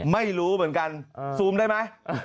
ไม่รู้เหมือนกันซูมได้ไหม